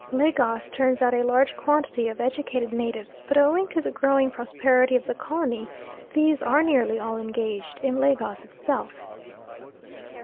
Lagos turns out a large quantity of educated natives, but owing to the growing prosperity of the colony, these are nearly all engaged in Lagos itself.